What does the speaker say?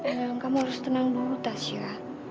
ya kamu harus tenang dulu tasya